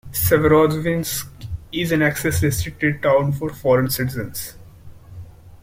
Severodvinsk is an access-restricted town for foreign citizens.